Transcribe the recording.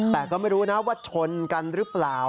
แต่ก็ไม่รู้นะว่าชนกันหรือเปล่า